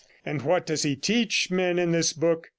And what does he teach men in this book?